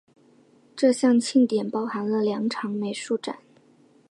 这项庆典包含了两场美术展。